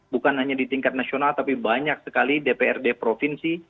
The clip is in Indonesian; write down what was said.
bukan hanya di tingkat nasional tapi banyak sekali dprd provinsi